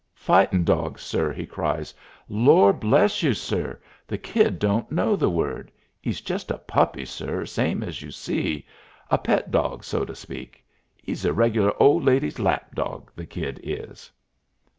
"Fightin' dawg, sir!" he cries. "Lor' bless you, sir, the Kid don't know the word. 'E's just a puppy, sir, same as you see; a pet dog, so to speak. 'E's a regular old lady's lap dog, the Kid is."